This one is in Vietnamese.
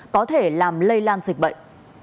có thể làm lây lan dịch bệnh